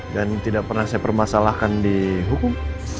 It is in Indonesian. dan tidak pernah saya permasalahkan di hukum